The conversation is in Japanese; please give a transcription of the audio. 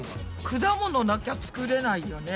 果物なきゃ作れないよね。